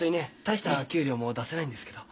大した給料も出せないんですけど。